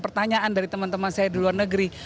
pertanyaan dari teman teman saya di luar negeri